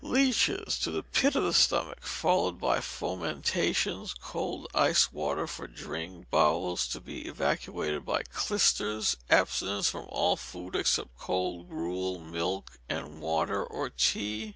Leeches to the pit of the stomach, followed by fomentations, cold iced water for drink, bowels to be evacuated by clysters; abstinence from all food except cold gruel, milk and water, or tea.